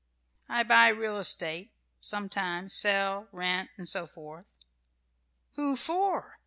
"I buy real estate sometimes sell rent and so forth." "Who for?"